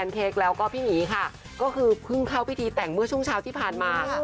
ก็คือเพิ่งเข้าพิธีแต่งเมื่อช่วงเช้าที่ผ่านมา